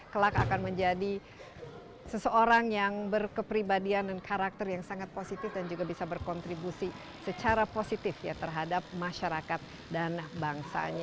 kelak akan menjadi seseorang yang berkepribadian dan karakter yang sangat positif dan juga bisa berkontribusi secara positif ya terhadap masyarakat dan bangsanya